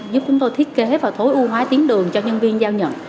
giúp chúng tôi thiết kế và thối ưu hóa tiến đường cho nhân viên giao nhận